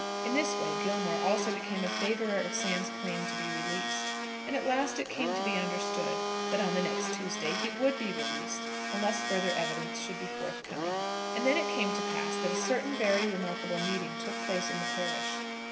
In this way Gilmore also became a favourer of Sam's claim to be released; and at last it came to be understood that on the next Tuesday he would be released, unless further evidence should be forthcoming. And then it came to pass that a certain very remarkable meeting took place in the parish.